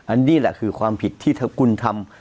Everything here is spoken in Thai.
อันนี้แหละคือความผิดที่ถ้าคุณทำ